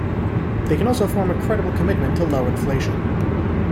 They can also form a credible commitment to low inflation.